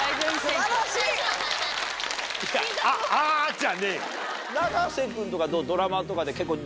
じゃねえよ。